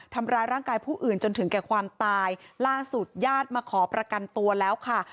ทำร้ายร่างกายผู้อื่นจนถึงแก่ความตายล่าสุดญาติมาขอประกันตัวแล้วค่ะ